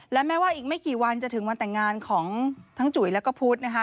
และแม้ว่าอีกไม่กี่วันจะถึงวันแต่งงานของทั้งจุ๋ยแล้วก็พุทธนะคะ